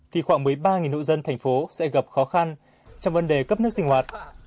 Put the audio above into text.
thì khoảng một mươi ba hộ dân thành phố sẽ gặp khó khăn trong vấn đề cấp nước sinh hoạt